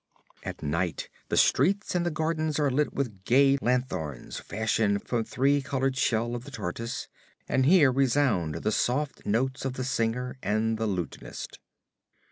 At night the streets and the gardens are lit with gay lanthorns fashioned from the three colored shell of the tortoise, and here resound the soft notes of the singer and the lutanist.